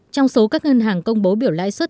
trong số các ngân hàng công bố biểu lãi suất